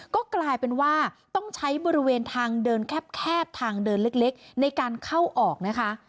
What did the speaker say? ก็กลายเป็นว่าต้องใช้บริเวณทางเดินแคบทางเดินเล็กในการเข้าออกนะคะ